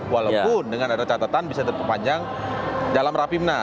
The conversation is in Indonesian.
walaupun dengan ada catatan bisa terpanjang dalam rapimna